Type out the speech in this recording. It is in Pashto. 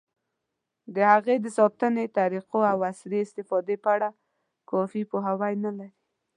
د هغې د ساتنې طریقو، او عصري استفادې په اړه کافي پوهاوی نه لري.